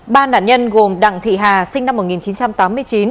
ba nạn nhân gồm đặng thị hà sinh năm một nghìn chín trăm tám mươi chín